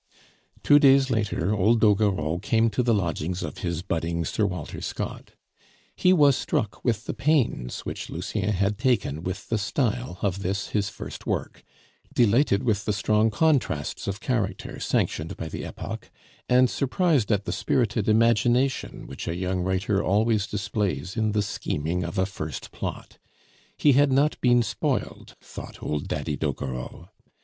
Two days later old Doguereau come to the lodgings of his budding Sir Walter Scott. He was struck with the pains which Lucien had taken with the style of this his first work, delighted with the strong contrasts of character sanctioned by the epoch, and surprised at the spirited imagination which a young writer always displays in the scheming of a first plot he had not been spoiled, thought old Daddy Doguereau.